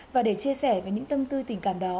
và để chia sẻ về những tâm tư tình cảm đó